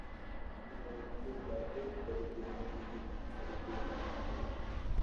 Se parecen a los gatos, pero tienen el hocico más parecido a las mangostas.